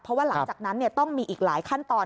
เพราะว่าหลังจากนั้นต้องมีอีกหลายขั้นตอน